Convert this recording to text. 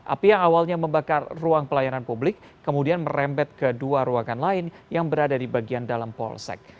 api yang awalnya membakar ruang pelayanan publik kemudian merembet ke dua ruangan lain yang berada di bagian dalam polsek